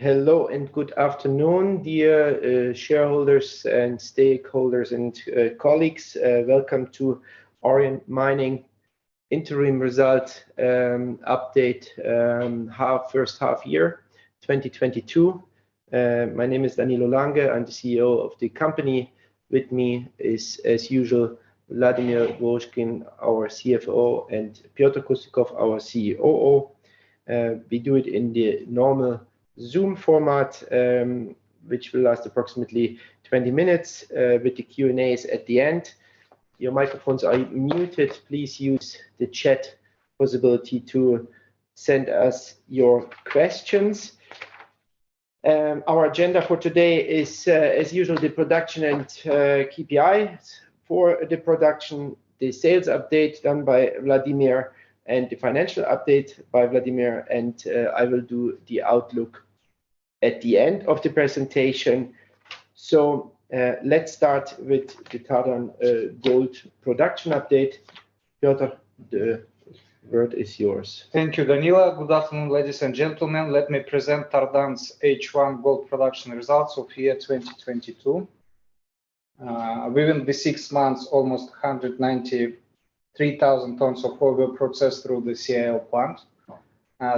Hello and good afternoon, dear shareholders and stakeholders and colleagues. Welcome to Auriant Mining interim result update, H1 year 2022. My name is Danilo Lange. I'm the CEO of the company. With me is, as usual, Vladimir Vorushkin, our CFO, and Petr Kustikov, our COO. We do it in the normal Zoom format, which will last approximately 20 minutes, with the Q&As at the end. Your microphones are muted. Please use the chat possibility to send us your questions. Our agenda for today is, as usual, the production and KPIs for the production, the sales update done by Vladimir, and the financial update by Vladimir, and I will do the outlook at the end of the presentation. Let's start with the current gold production update. Petr, the floor is yours. Thank you, Danilo. Good afternoon, ladies and gentlemen. Let me present Tardan's H1 gold production results of 2022. Within the six months, almost 193,000 tons of ore were processed through the CIL plant.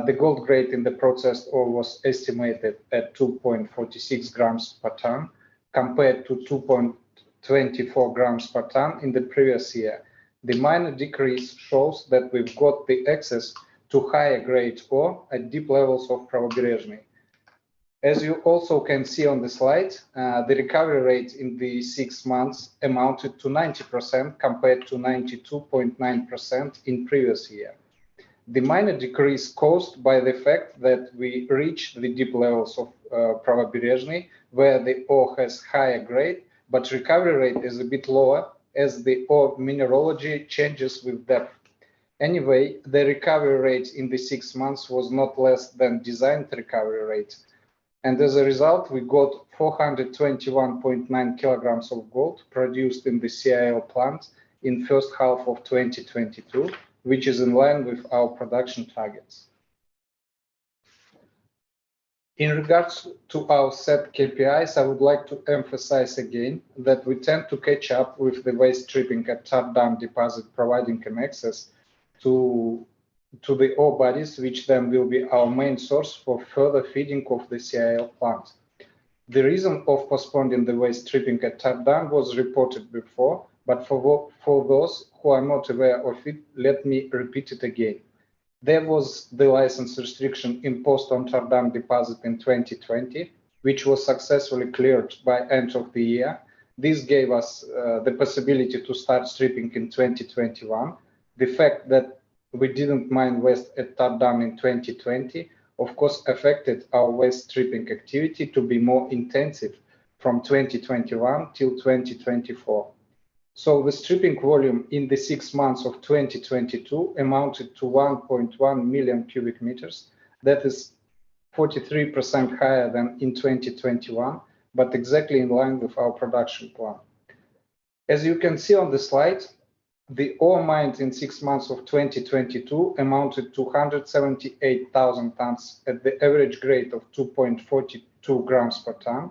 The gold grade in the processed ore was estimated at 2.46 grams per ton compared to 2.24 grams per ton in the previous year. The minor decrease shows that we've got the access to higher grade ore at deep levels of Pravoberezhny. As you also can see on the slide, the recovery rate in the six months amounted to 90% compared to 92.9% in previous year. The minor decrease caused by the fact that we reached the deep levels of Pravoberezhny where the ore has higher grade, but recovery rate is a bit lower as the ore mineralogy changes with depth. Anyway, the recovery rate in the six months was not less than designed recovery rate, and as a result, we got 421.9 kilograms of gold produced in the CIL plant in H1 of 2022, which is in line with our production targets. In regards to our set KPIs, I would like to emphasize again that we tend to catch up with the waste stripping at Tardan deposit, providing an access to the ore bodies which then will be our main source for further feeding of the CIL plant. The reason of postponing the waste stripping at Tardan was reported before, but for those who are not aware of it, let me repeat it again. There was the license restriction imposed on Tardan deposit in 2020, which was successfully cleared by end of the year. This gave us the possibility to start stripping in 2021. The fact that we didn't strip waste at Tardan in 2020, of course, affected our waste stripping activity to be more intensive from 2021 till 2024. The stripping volume in the six months of 2022 amounted to 1.1 million cubic meters. That is 43% higher than in 2021, but exactly in line with our production plan. As you can see on the slide, the ore mined in six months of 2022 amounted to 178,000 tons at the average grade of 2.42 grams per ton.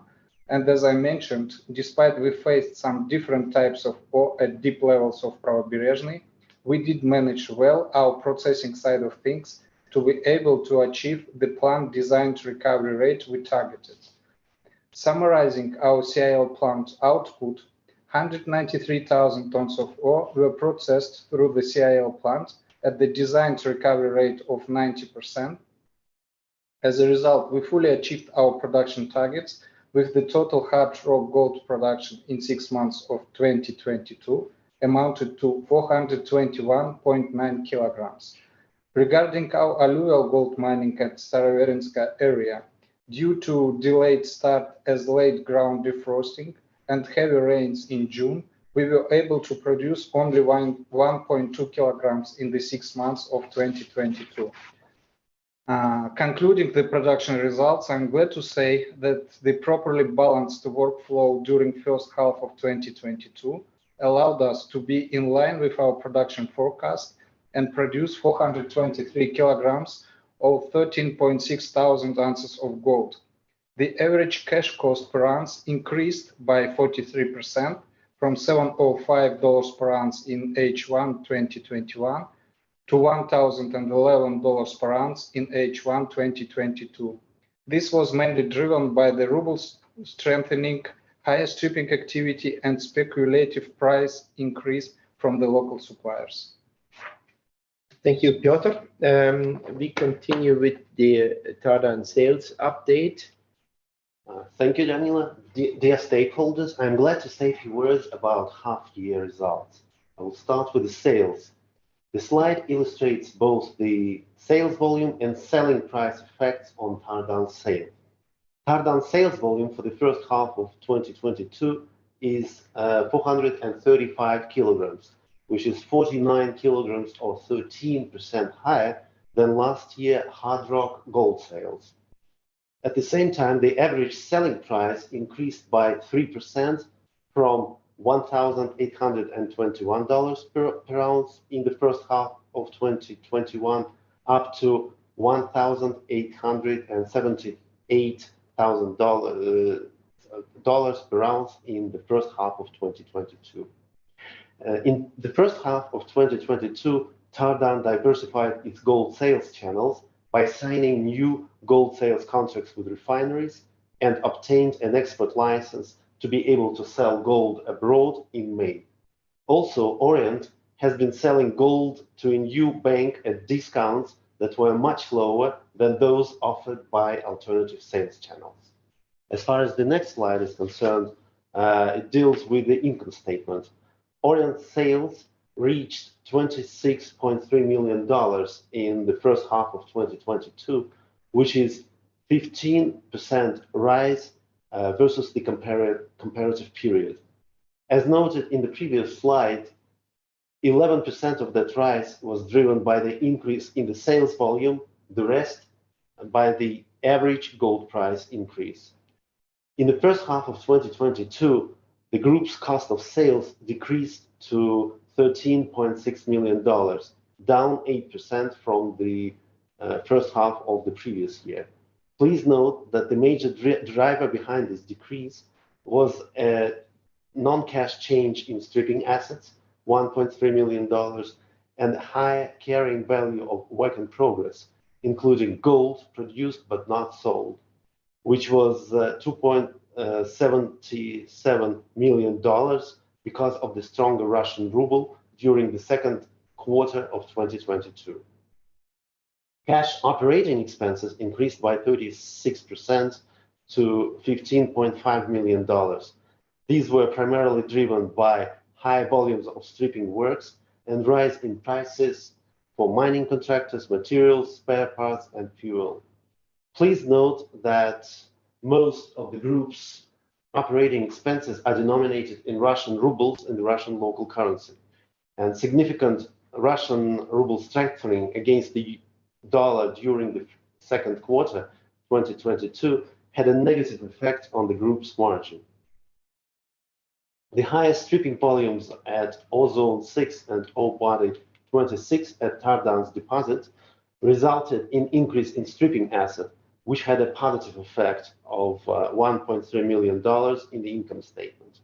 As I mentioned, despite we faced some different types of ore at deep levels of Pravoberezhny, we did manage well our processing side of things to be able to achieve the plant designed recovery rate we targeted. Summarizing our CIL plant output, 193,000 tons of ore were processed through the CIL plant at the designed recovery rate of 90%. As a result, we fully achieved our production targets with the total hard rock gold production in six months of 2022 amounted to 421.9 kilograms. Regarding our alluvial gold mining at Staroverinskaya area, due to delayed start as late ground defrosting and heavy rains in June, we were able to produce only 1.2 kilograms in the six months of 2022. Concluding the production results, I'm glad to say that the properly balanced workflow during H1 of 2022 allowed us to be in line with our production forecast and produce 423 kilograms or 13,600 ounces of gold. The average cash cost per ounce increased by 43% from $7.5 per ounce in H1 2021 to $1,011 per ounce in H1 2022. This was mainly driven by the ruble's strengthening, higher stripping activity, and speculative price increase from the local suppliers. Thank you, Petr. We continue with the Tardan sales update. Thank you, Danilo. Dear stakeholders, I'm glad to say a few words about half-year results. I will start with the sales. The slide illustrates both the sales volume and selling price effects on Tardan sales. Tardan sales volume for the H1 of 2022 is 435 kilograms, which is 49 kilograms or 13% higher than last year hard rock gold sales. At the same time, the average selling price increased by 3% from $1,821 per ounce in the H1 of 2021 up to $1,878 per ounce in the H1 of 2022. In the H1 of 2022, Tardan diversified its gold sales channels by signing new gold sales contracts with refineries and obtained an export license to be able to sell gold abroad in May. Also, Auriant has been selling gold to a new bank at discounts that were much lower than those offered by alternative sales channels. As far as the next slide is concerned, it deals with the income statement. Auriant sales reached $26.3 million in the H1 of 2022, which is 15% rise versus the comparative period. As noted in the previous slide, 11% of that rise was driven by the increase in the sales volume, the rest by the average gold price increase. In the H1 of 2022, the group's cost of sales decreased to $13.6 million, down 8% from the H1 of the previous year. Please note that the major driver behind this decrease was a non-cash change in stripping assets, $1.3 million, and higher carrying value of work in progress, including gold produced but not sold, which was $2.77 million because of the stronger Russian ruble during the Q2 of 2022. Cash operating expenses increased by 36% to $15.5 million. These were primarily driven by high volumes of stripping works and rise in prices for mining contractors, materials, spare parts and fuel. Please note that most of the group's operating expenses are denominated in Russian rubles in the Russian local currency, and significant Russian ruble strengthening against the dollar during the Q2 2022 had a negative effect on the group's margin. The higher stripping volumes at Ore zone 6 and Ore body 26 at Tardan's deposit resulted in increase in stripping asset, which had a positive effect of $1.3 million in the income statement.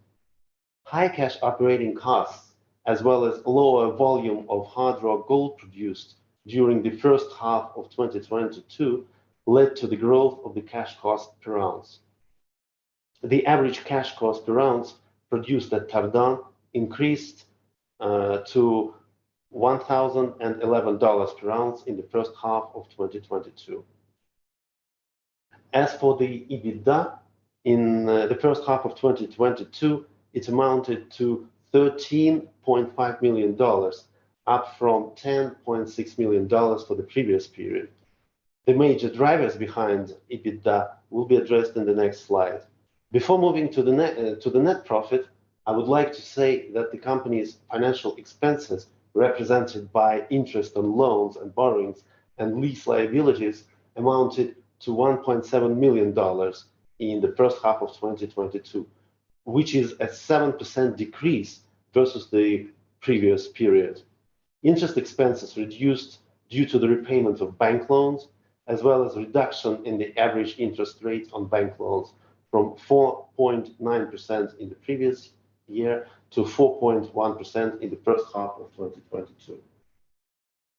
High cash operating costs as well as lower volume of hard rock gold produced during the H1 of 2022 led to the growth of the cash cost per ounce. The average cash cost per ounce produced at Tardan increased to $1,011 per ounce in the H1 of 2022. As for the EBITDA in the H1 of 2022, it amounted to $13.5 million, up from $10.6 million for the previous period. The major drivers behind EBITDA will be addressed in the next slide. Before moving to the net profit, I would like to say that the company's financial expenses represented by interest on loans and borrowings and lease liabilities amounted to $1.7 million in the H1 of 2022, which is a 7% decrease versus the previous period. Interest expenses reduced due to the repayment of bank loans, as well as reduction in the average interest rate on bank loans from 4.9% in the previous year to 4.1% in the H1 of 2022.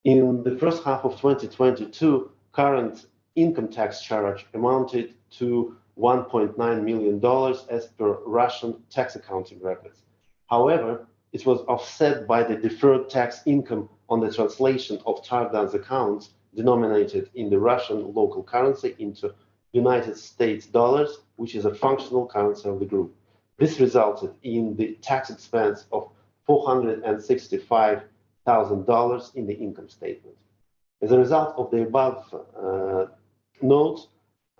In the H1 of 2022, current income tax charge amounted to $1.9 million as per Russian tax accounting records. However, it was offset by the deferred tax income on the translation of Tardan's accounts denominated in the Russian local currency into United States dollars, which is a functional currency of the group. This resulted in the tax expense of $465,000 in the income statement. As a result of the above notes,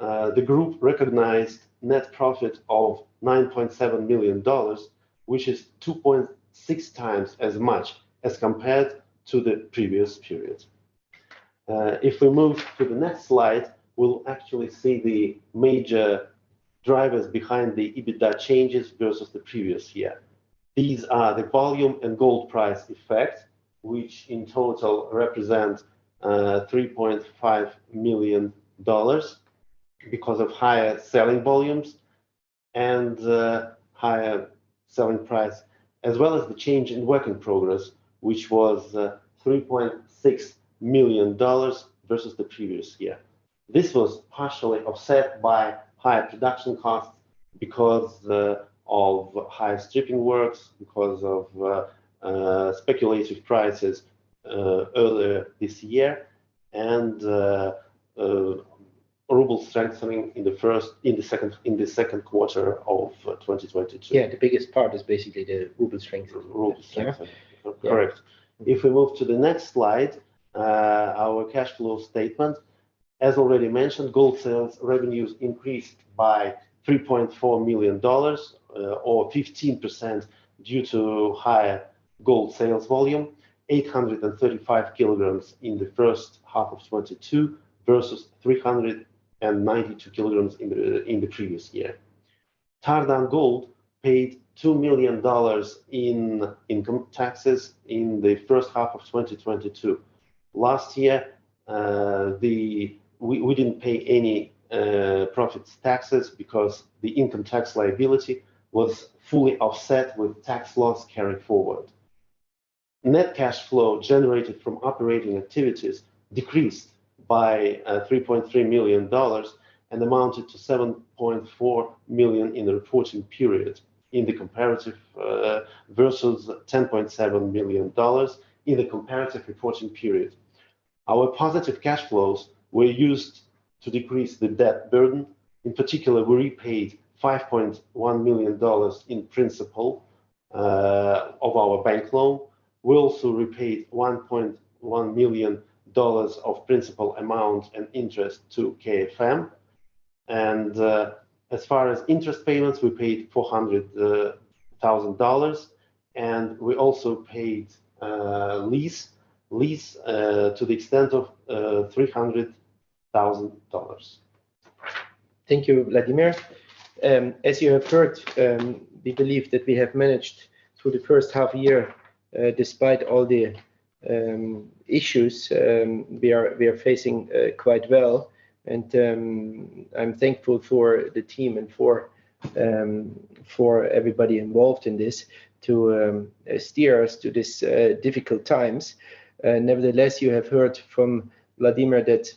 the group recognized net profit of $9.7 million, which is 2.6 times as much as compared to the previous period. If we move to the next slide, we'll actually see the major drivers behind the EBITDA changes versus the previous year. These are the volume and gold price effect, which in total represent $3.5 million because of higher selling volumes and higher selling price, as well as the change in work in progress, which was $3.6 million versus the previous year. This was partially offset by higher production costs because of higher stripping works because of speculative prices earlier this year and ruble strengthening in the Q2 of 2022. Yeah, the biggest part is basically the ruble strength. Ruble strengthening. Yeah. Correct. If we move to the next slide, our cash flow statement. As already mentioned, gold sales revenues increased by $3.4 million, or 15% due to higher gold sales volume 835 kilograms in the H1 of 2022 versus 392 kilograms in the previous year. Tardan Gold paid $2 million in income taxes in the H1 of 2022. Last year, we didn't pay any profits taxes because the income tax liability was fully offset with tax loss carried forward. Net cash flow generated from operating activities decreased by $3.3 million and amounted to $7.4 million in the reporting period in the comparative versus $10.7 million in the comparative reporting period. Our positive cash flows were used to decrease the debt burden. In particular, we repaid $5.1 million in principal of our bank loan. We also repaid $1.1 million of principal amount and interest to KFM. As far as interest payments, we paid $400 thousand, and we also paid lease to the extent of $300 thousand. Thank you, Vladimir. As you have heard, we believe that we have managed through the H1 year, despite all the issues, we are facing quite well. I'm thankful for the team and for everybody involved in this to steer us through this difficult times. Nevertheless, you have heard from Vladimir that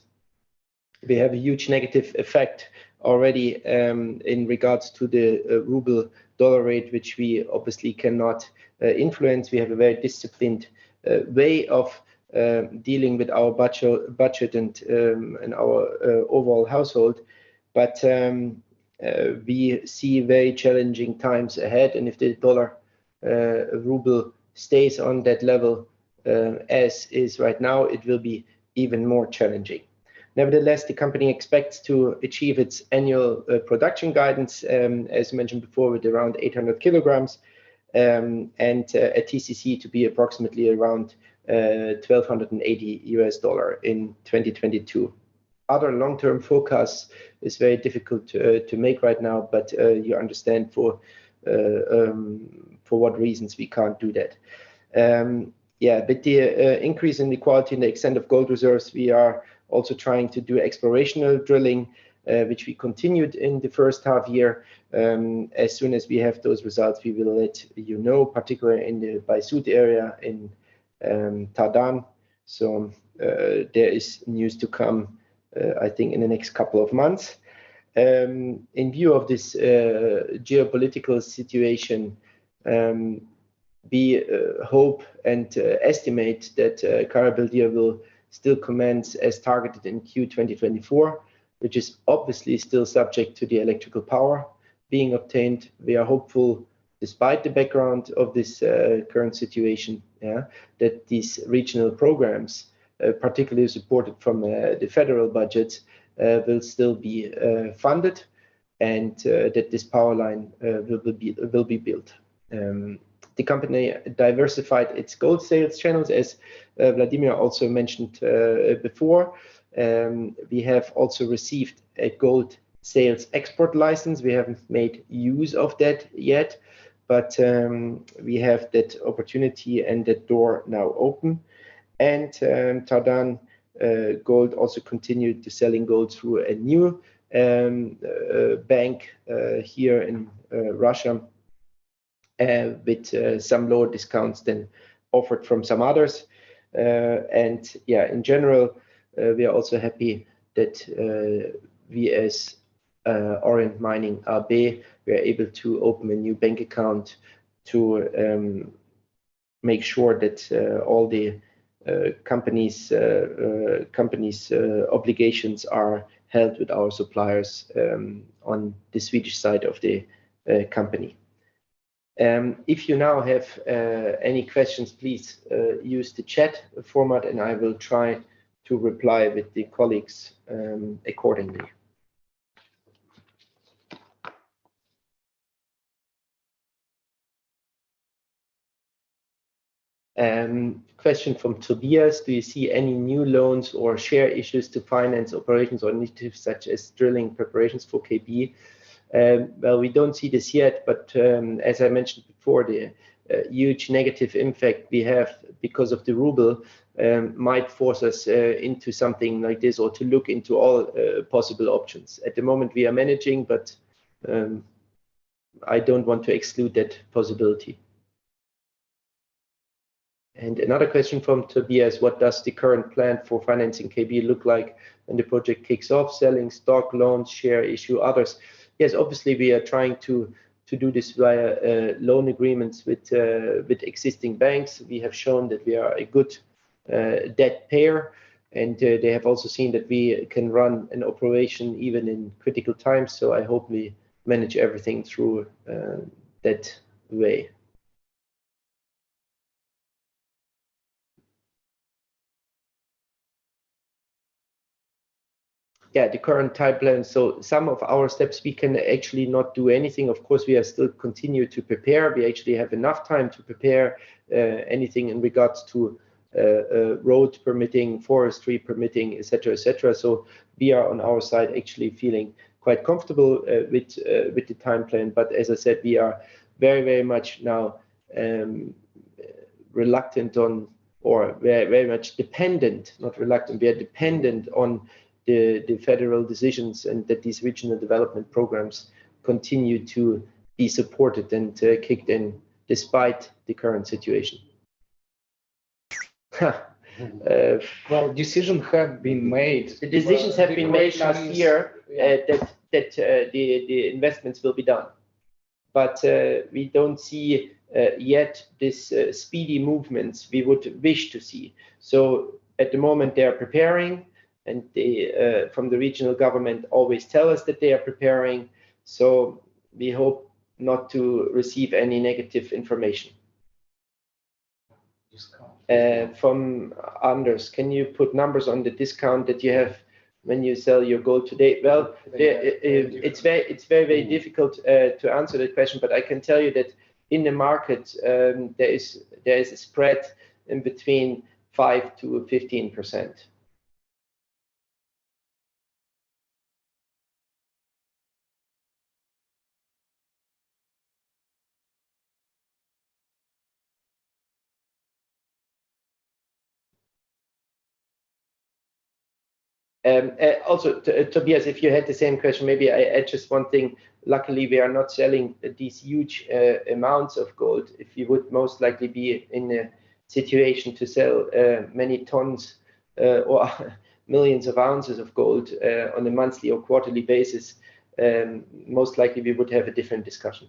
we have a huge negative effect already in regards to the ruble-dollar rate, which we obviously cannot influence. We have a very disciplined way of dealing with our budget and our overall household. We see very challenging times ahead, and if the dollar-ruble stays on that level as is right now, it will be even more challenging. Nevertheless, the company expects to achieve its annual production guidance, as mentioned before, with around 800 kilograms, and a TCC to be approximately around $1,280 in 2022. Other long-term forecasts is very difficult to make right now, but you understand for what reasons we can't do that. Yeah, but the increase in the quality and the extent of gold reserves, we are also trying to do exploration drilling, which we continued in the H1 year. As soon as we have those results, we will let you know, particularly in the Baisyutskiy area in Tardan. There is news to come, I think in the next couple of months. In view of this geopolitical situation, we hope and estimate that Kara-Beldyr will still commence as targeted in Q 2024, which is obviously still subject to the electrical power being obtained. We are hopeful, despite the background of this current situation, yeah, that these regional programs, particularly supported from the federal budget, will still be funded and that this power line will be built. The company diversified its gold sales channels, as Vladimir also mentioned before. We have also received a gold sales export license. We haven't made use of that yet, but we have that opportunity and that door now open. Tardan Gold also continued selling gold through a new bank here in Russia with some lower discounts than offered from some others. Yeah, in general, we are also happy that we as Auriant Mining AB are able to open a new bank account to make sure that all the company's obligations are held with our suppliers on the Swedish side of the company. If you now have any questions, please use the chat format, and I will try to reply with the colleagues accordingly. Question from Tobias: Do you see any new loans or share issues to finance operations or initiatives such as drilling preparations for KB? Well, we don't see this yet, but as I mentioned before, the huge negative impact we have because of the ruble might force us into something like this or to look into all possible options. At the moment, we are managing, but I don't want to exclude that possibility. Another question from Tobias: What does the current plan for financing KB look like when the project kicks off? Selling stock, loans, share issue, others? Yes, obviously we are trying to do this via loan agreements with existing banks. We have shown that we are a good debt payer, and they have also seen that we can run an operation even in critical times, so I hope we manage everything through that way. Yeah, the current timeline. Some of our steps, we can actually not do anything. Of course, we are still continue to prepare. We actually have enough time to prepare anything in regards to road permitting, forestry permitting, et cetera, et cetera. We are on our side actually feeling quite comfortable with the time plan. As I said, we are very, very much now dependent, not reluctant, on the federal decisions and that these regional development programs continue to be supported and kicked in despite the current situation. Decisions have been made. The decisions have been made last year that the investments will be done. We don't see yet this speedy movements we would wish to see. At the moment they are preparing, and they from the regional government always tell us that they are preparing, so we hope not to receive any negative information. Discount. From Anders: Can you put numbers on the discount that you have when you sell your gold today? Well, it's very difficult to answer that question, but I can tell you that in the market, there is a spread in between 5%-15%. Also to Tobias, if you had the same question, maybe I add just one thing. Luckily, we are not selling these huge amounts of gold. If you would most likely be in a situation to sell many tons or millions of ounces of gold on a monthly or quarterly basis, most likely we would have a different discussion.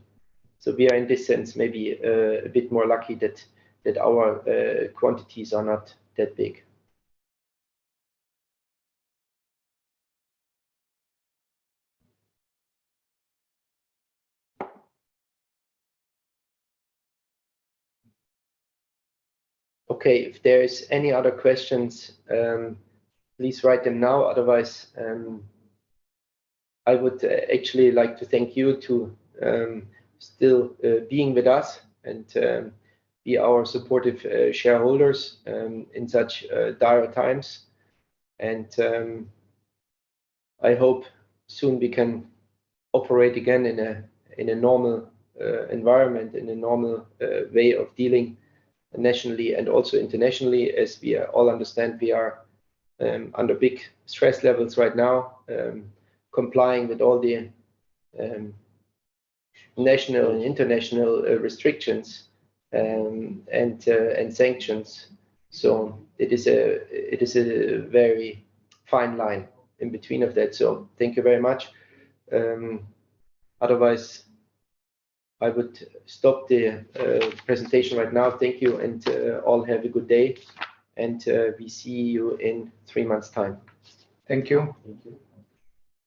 We are in this sense maybe a bit more lucky that our quantities are not that big. Okay. If there is any other questions, please write them now. Otherwise, I would actually like to thank you to still being with us and be our supportive shareholders in such dire times. I hope soon we can operate again in a normal environment, in a normal way of dealing nationally and also internationally. As we all understand, we are under big stress levels right now, complying with all the national and international restrictions and sanctions. It is a very fine line in between of that. Thank you very much. Otherwise, I would stop the presentation right now. Thank you, and all have a good day, and we see you in three months' time. Thank you. Thank you.